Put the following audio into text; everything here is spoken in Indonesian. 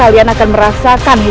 ibu nang akan selamatkan ibu